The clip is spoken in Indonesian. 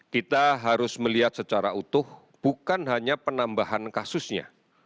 kita harus melihat secara utuh bukan hanya penambahan kasusnya